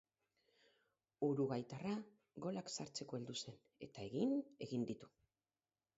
Uruguaitarra golak sartzeko heldu zen, eta egin egin ditu.